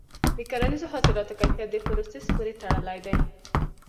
د کرنیزو حاصلاتو کیفیت د پروسس پورې تړلی دی.